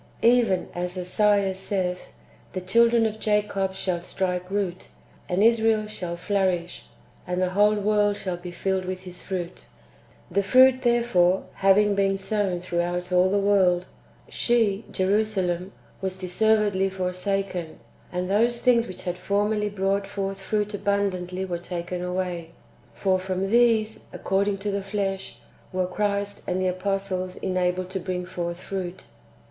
Even as Esaias saith, " The children of Jacob shall strike root, and Israel shall flourish, and the wdiole world shall be filled with his fruit." ^ The fruit, therefore, having been sown throughout all the world, she (Jerusalem) was deservedly forsaken, and those things which had formerly brought forth fruit abundantly were taken away ; for from these, according to the flesh, w^ere Christ and the apostles enabled to bring forth fruit.